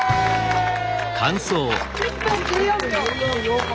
１分１４秒。